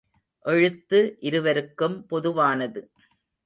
எழுத்து இருவருக்கும் பொதுவானது.